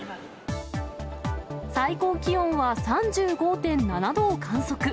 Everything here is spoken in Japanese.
最高気温は３５．７度を観測。